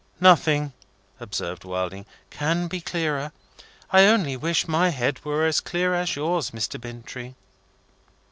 "Nothing," observed Wilding, "can be clearer. I only wish my head were as clear as yours, Mr. Bintrey."